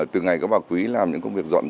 từ ngày có bà quý làm những công việc dọn